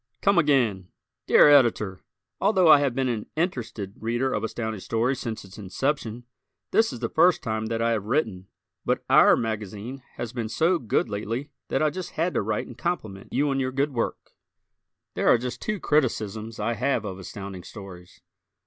Come Again Dear Editor: Although I have been an interested Reader of Astounding Stories since its inception, this is the first time that I have written; but "our" magazine has been so good lately that I just had to write and compliment you on your good work. There are just two criticisms I have of Astounding Stories.